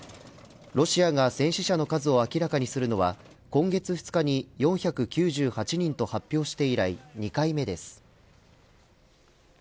ロシアが戦死者の数を明らかにするのは今月２日に４９８人と発表して以来２回目です。